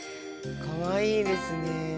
かわいいですね。